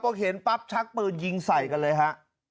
พอเห็นปั๊บชักปืนยิงใส่กันเลยฮะ